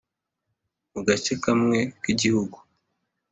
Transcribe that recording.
mugace kamwe k igihugu.